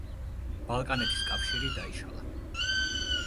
ბალკანეთის კავშირი დაიშალა.